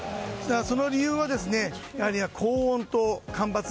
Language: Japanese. その理由は、高温と干ばつ。